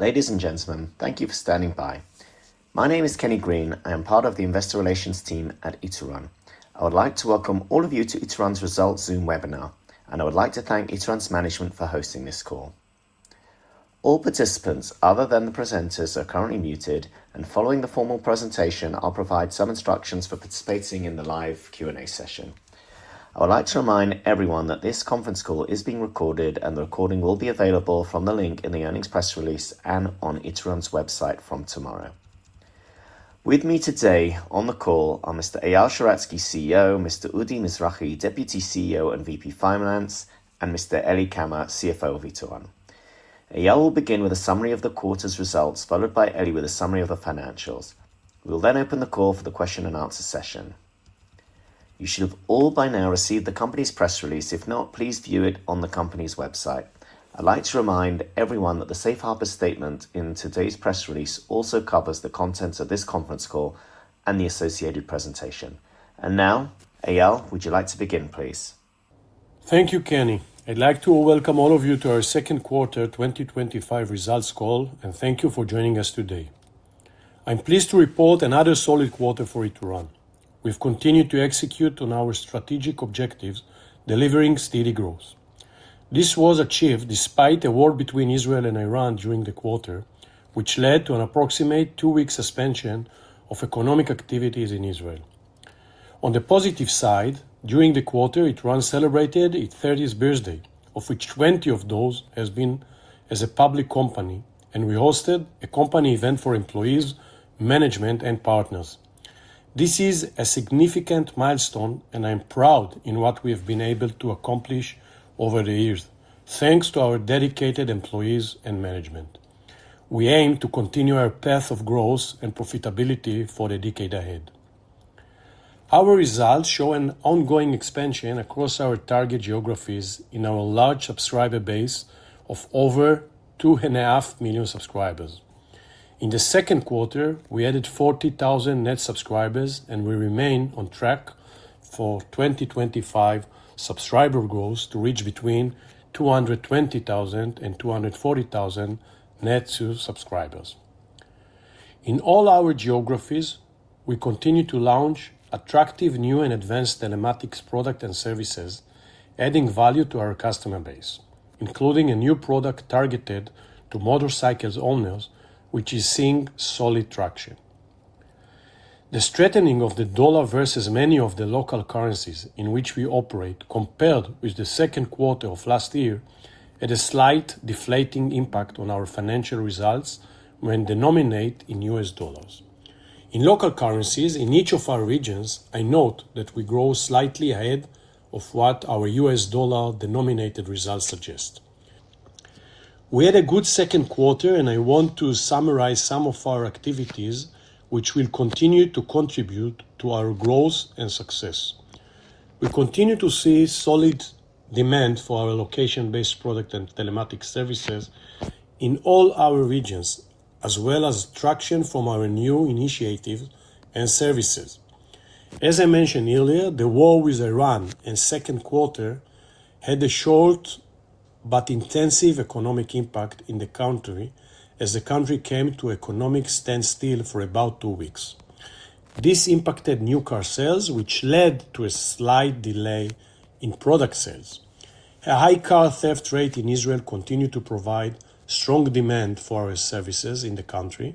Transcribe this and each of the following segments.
Ladies and gentlemen, thank you for standing by. My name is Kenny Green. I am part of the Investor Relations team at Ituran Location and Control Ltd. I would like to welcome all of you to Ituran's Results Zoom webinar, and I would like to thank Ituran's management for hosting this call. All participants, other than the presenters, are currently muted, and following the formal presentation, I'll provide some instructions for participating in the live Q&A session. I would like to remind everyone that this conference call is being recorded, and the recording will be available from the link in the earnings press release and on Ituran's website from tomorrow. With me today on the call are Mr. Eyal Sheratzky, CEO, Mr. Udi Mizrahi, Deputy CEO and VP of Finance, and Mr. Eli Kamer, CFO of Ituran Location and Control Ltd. Eyal will begin with a summary of the quarter's results, followed by Eli with a summary of the financials. We will then open the call for the question and answer session. You should have all by now received the company's press release. If not, please view it on the company's website. I'd like to remind everyone that the safe harbor statement in today's press release also covers the contents of this conference call and the associated presentation. Eyal, would you like to begin, please? Thank you, Kenny. I'd like to welcome all of you to our second quarter 2025 results call, and thank you for joining us today. I'm pleased to report another solid quarter for Ituran Location and Control Ltd. We've continued to execute on our strategic objectives, delivering steady growth. This was achieved despite a war between Israel and Iran during the quarter, which led to an approximate two-week suspension of economic activities in Israel. On the positive side, during the quarter, Ituran celebrated its 30th birthday, of which 20 of those have been as a public company, and we hosted a company event for employees, management, and partners. This is a significant milestone, and I'm proud in what we have been able to accomplish over the years, thanks to our dedicated employees and management. We aim to continue our path of growth and profitability for the decade ahead. Our results show an ongoing expansion across our target geographies in our large subscriber base of over 2.5 million subscribers. In the second quarter, we added 40,000 net subscribers, and we remain on track for 2025 subscriber goals to reach between 220,000 and 240,000 net subscribers. In all our geographies, we continue to launch attractive new and advanced telematics products and services, adding value to our customer base, including a new product targeted to motorcycle owners, which is seeing solid traction. The strengthening of the dollar versus many of the local currencies in which we operate, compared with the second quarter of last year, had a slight deflating impact on our financial results when denominated in US dollars. In local currencies in each of our regions, I note that we grow slightly ahead of what our US dollar denominated results suggest. We had a good second quarter, and I want to summarize some of our activities, which will continue to contribute to our growth and success. We continue to see solid demand for our location-based products and telematics services in all our regions, as well as traction from our new initiatives and services. As I mentioned earlier, the war with Iran in the second quarter had a short but intensive economic impact in the country, as the country came to economic standstill for about two weeks. This impacted new car sales, which led to a slight delay in product sales. A high car theft rate in Israel continued to provide strong demand for our services in the country,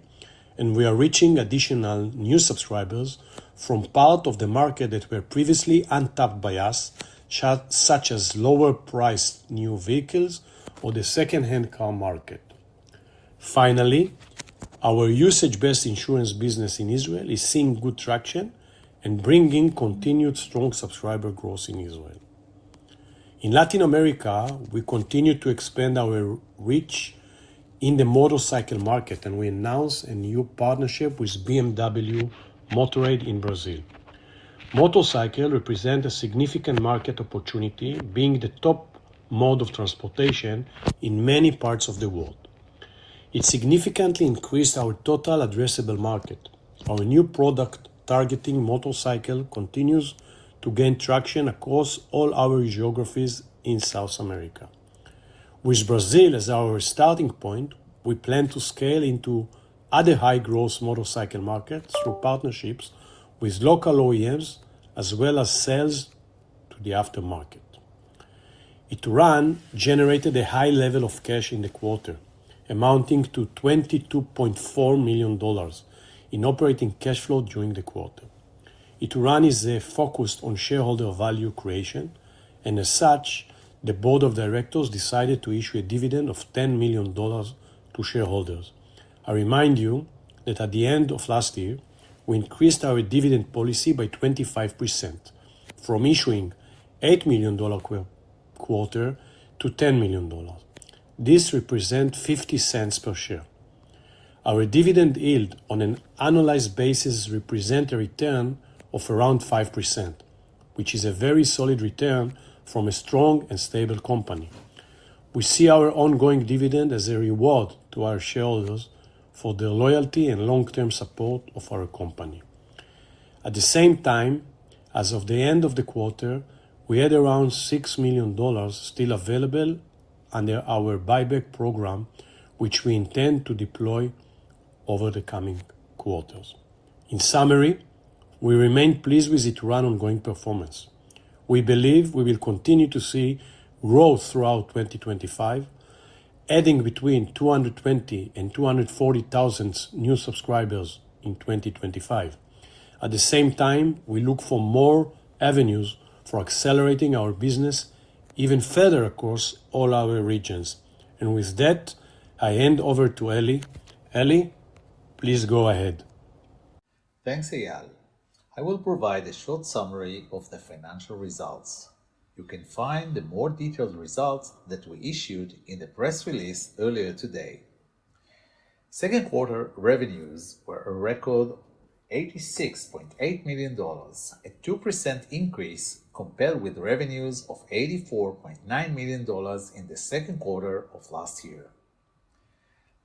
and we are reaching additional new subscribers from parts of the market that were previously untapped by us, such as lower-priced new vehicles or the second-hand car market. Finally, our usage-based insurance business in Israel is seeing good traction and bringing continued strong subscriber growth in Israel. In Latin America, we continue to expand our reach in the motorcycle market, and we announced a new partnership with BMW Motorrad in Brazil. Motorcycles represent a significant market opportunity, being the top mode of transportation in many parts of the world. It significantly increased our total addressable market. Our new product targeting motorcycles continues to gain traction across all our geographies in South America. With Brazil as our starting point, we plan to scale into other high-growth motorcycle markets through partnerships with local OEMs, as well as sales to the aftermarket. Ituran generated a high level of cash in the quarter, amounting to $22.4 million in operating cash flow during the quarter. Ituran is focused on shareholder value creation, and as such, the board of directors decided to issue a dividend of $10 million to shareholders. I remind you that at the end of last year, we increased our dividend policy by 25% from issuing $8 million quarter - $10 million. This represents $0.50 per share. Our dividend yield on an annualized basis represents a return of around 5%, which is a very solid return from a strong and stable company. We see our ongoing dividend as a reward to our shareholders for their loyalty and long-term support of our company. At the same time, as of the end of the quarter, we had around $6 million still available under our buyback program, which we intend to deploy over the coming quarters. In summary, we remain pleased with Ituran's ongoing performance. We believe we will continue to see growth throughout 2025, adding between 220,000 and 240,000 new subscribers in 2025. At the same time, we look for more avenues for accelerating our business even further across all our regions. With that, I hand over to Eli. Eli, please go ahead. Thanks, Eyal. I will provide a short summary of the financial results. You can find the more detailed results that we issued in the press release earlier today. Second quarter revenues were a record $86.8 million, a 2% increase compared with revenues of $84.9 million in the second quarter of last year.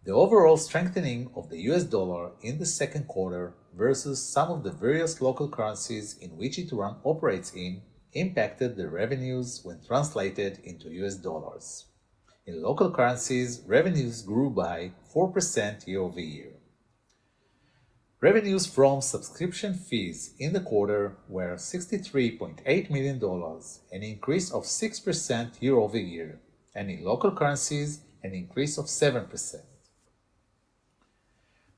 The overall strengthening of the US dollar in the second quarter versus some of the various local currencies in which Ituran Location and Control Ltd. operates in impacted the revenues when translated into US dollars. In local currencies, revenues grew by 4% year-over-year. Revenues from subscription fees in the quarter were $63.8 million, an increase of 6% year-over-year, and in local currencies, an increase of 7%.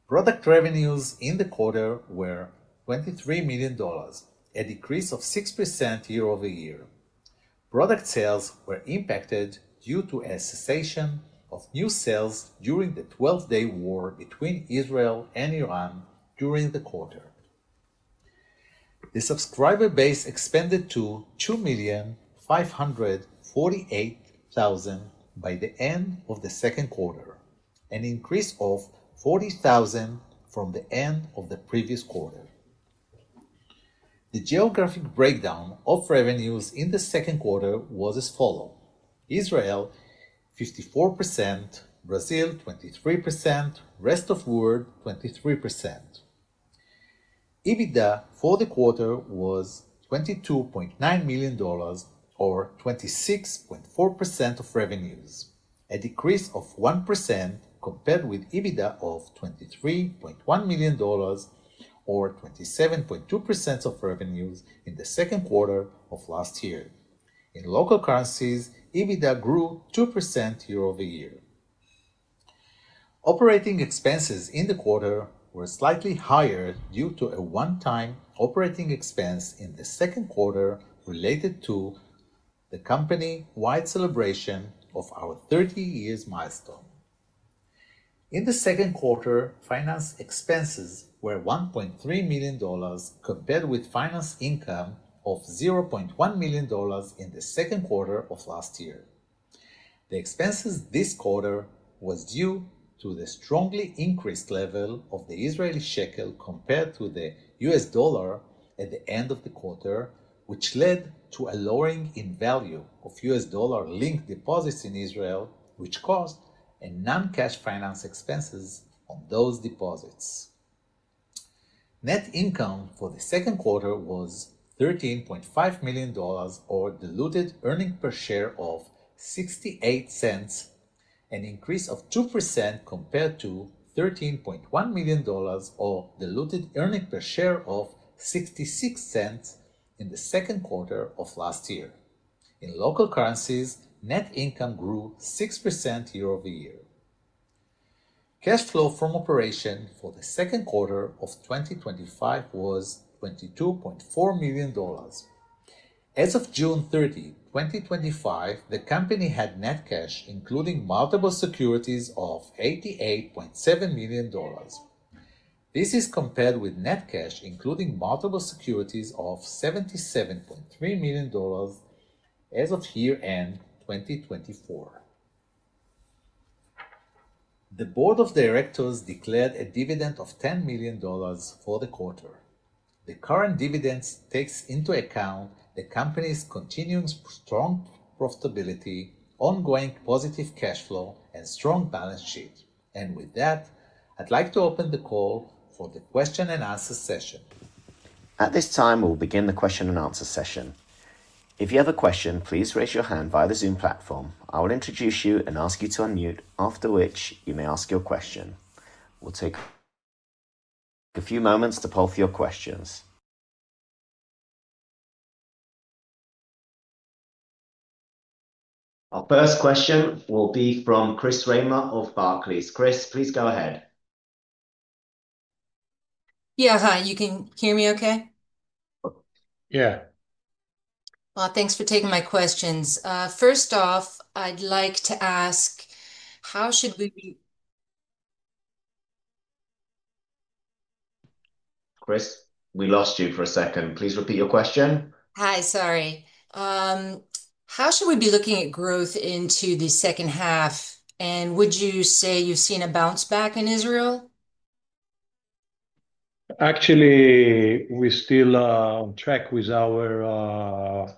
Product revenues in the quarter were $23 million, a decrease of 6% year-over-year. Product sales were impacted due to a cessation of new sales during the 12-day war between Israel and Iran during the quarter. The subscriber base expanded to 2,548,000 by the end of the second quarter, an increase of 40,000 from the end of the previous quarter. The geographic breakdown of revenues in the second quarter was as follows: Israel, 54%; Brazil, 23%; rest of the world, 23%. EBITDA for the quarter was $22.9 million or 26.4% of revenues, a decrease of 1% compared with EBITDA of $23.1 million or 27.2% of revenues in the second quarter of last year. In local currencies, EBITDA grew 2% year-over-year. Operating expenses in the quarter were slightly higher due to a one-time operating expense in the second quarter related to the company-wide celebration of our 30-year milestone. In the second quarter, finance expenses were $1.3 million compared with finance income of $0.1 million in the second quarter of last year. The expenses this quarter were due to the strongly increased level of the Israeli shekel compared to the US dollar at the end of the quarter, which led to a lowering in value of US dollar-linked deposits in Israel, which caused non-cash finance expenses on those deposits. Net income for the second quarter was $13.5 million or diluted EPS of $0.68, an increase of 2% compared to $13.1 million or diluted EPS of $0.66 in the second quarter of last year. In local currencies, net income grew 6% year-over-year. Cash flow from operation for the second quarter of 2025 was $22.4 million. As of June 30, 2025, the company had net cash, including multiple securities, of $88.7 million. This is compared with net cash, including multiple securities, of $77.3 million as of year-end 2024. The board of directors declared a dividend of $10 million for the quarter. The current dividend takes into account the company's continuing strong profitability, ongoing positive cash flow, and strong balance sheet. With that, I'd like to open the call for the question and answer session. At this time, we will begin the question and answer session. If you have a question, please raise your hand via the Zoom platform. I will introduce you and ask you to unmute, after which you may ask your question. We'll take a few moments to poll for your questions. Our first question will be from Chris Reimer of Barclays Bank PLC. Chris, please go ahead. Yeah, hi. You can hear me OK? Yeah. Thank you for taking my questions. First off, I'd like to ask, how should we be... Chris, we lost you for a second. Please repeat your question. Hi, sorry. How should we be looking at growth into the second half? Would you say you've seen a bounce back in Israel? Actually, we're still on track with our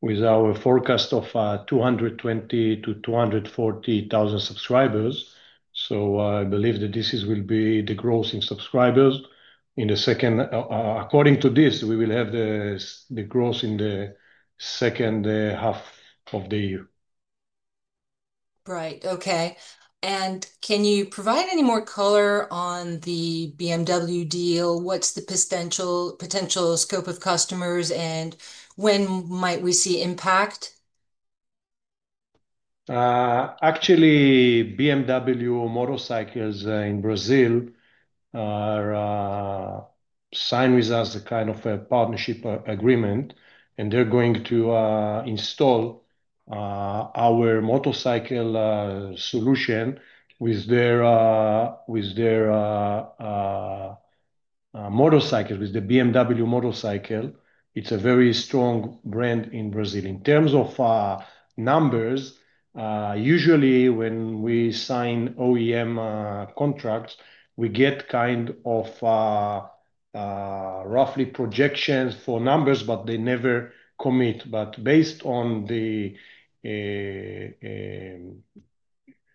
forecast of 220,000 - 240,000 subscribers. I believe that this will be the growth in subscribers in the second half of the year. Right, OK. Can you provide any more color on the BMW Motorrad deal? What's the potential scope of customers, and when might we see impact? Actually, BMW Motorrad in Brazil signed with us a kind of a partnership agreement, and they're going to install our motorcycle telematics solution with their motorcycle, with the BMW motorcycle. It's a very strong brand in Brazil. In terms of numbers, usually when we sign OEM partnerships, we get kind of roughly projections for numbers, but they never commit. Based on the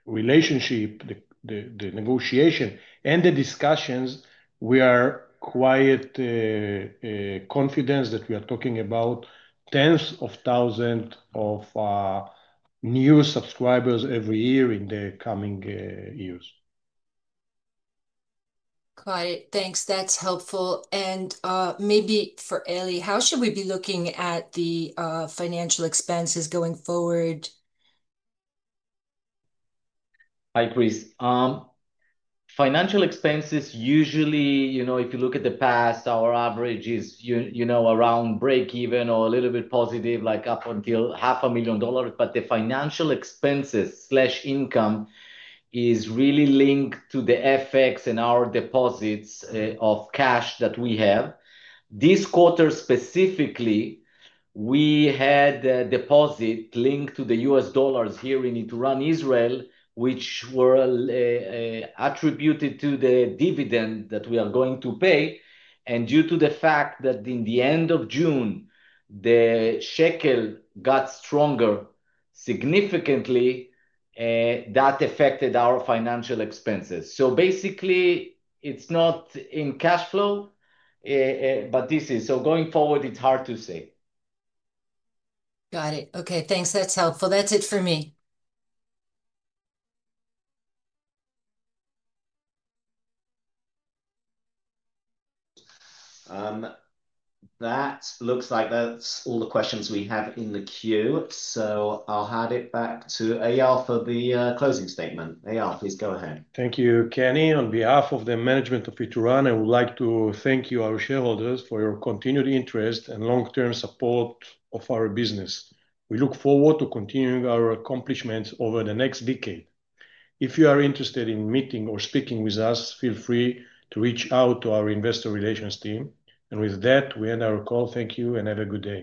relationship, the negotiation, and the discussions, we are quite confident that we are talking about tens of thousands of new subscribers every year in the coming years. Got it. Thanks. That's helpful. Maybe for Eli, how should we be looking at the financial expenses going forward? Hi, Chris. Financial expenses usually, you know, if you look at the past, our average is, you know, around break-even or a little bit positive, like up until $500,000 million. The financial expenses/income is really linked to the FX and our deposits of cash that we have. This quarter specifically, we had a deposit linked to the US dollars here in Ituran, Israel, which were attributed to the dividend that we are going to pay. Due to the fact that in the end of June, the shekel got stronger significantly, that affected our financial expenses. Basically, it's not in cash flow, but this is... Going forward, it's hard to say. Got it. OK, thanks. That's helpful. That's it for me. That looks like that's all the questions we have in the queue. I'll hand it back to Eyal for the closing statement. Eyal, please go ahead. Thank you, KenFny. On behalf of the management of Ituran Location and Control Ltd., I would like to thank you, our shareholders, for your continued interest and long-term support of our business. We look forward to continuing our accomplishments over the next decade. If you are interested in meeting or speaking with us, feel free to reach out to our Investor Relations team. With that, we end our call. Thank you and have a good day.